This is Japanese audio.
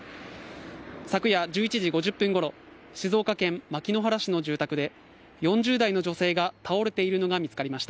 昨夜１１時５０分ごろ静岡県牧之原市の住宅で４０代の女性が倒れているのが見つかりました。